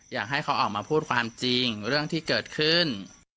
อยากให้เขาออกมาพูดความจริงเรื่องที่เกิดขึ้น